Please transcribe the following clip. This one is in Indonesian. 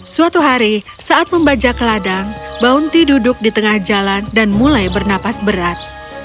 suatu hari saat membajak ladang bounty duduk di tengah jalan dan mulai bernapas berat